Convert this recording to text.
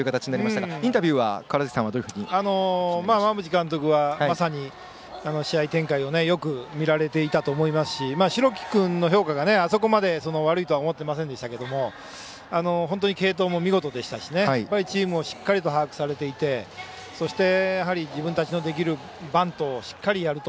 馬淵監督はまさに試合展開をよく見られていたと思いますし、代木君の評価があそこまで悪いとは思ってませんでしたが本当に継投も見事でしたしチームもしっかりと把握してそして自分たちがやれるバントをしっかりやると。